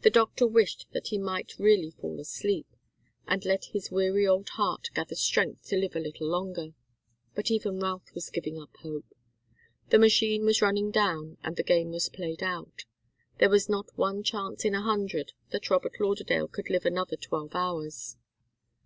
The doctor wished that he might really fall asleep, and let his weary old heart gather strength to live a little longer. But even Routh was giving up hope. The machine was running down, and the game was played out. There was not one chance in a hundred that Robert Lauderdale could live another twelve hours.